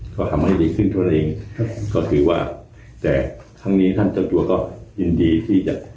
ก็ทำให้ดีขึ้นเท่านั้นเองครับก็คือว่าแต่ครั้งนี้ท่านเจ้าตัวก็ยินดีที่จะ